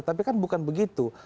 tapi kan bukan begitu